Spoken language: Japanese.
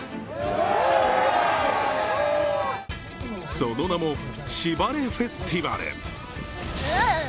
その名もしばれフェスティバル。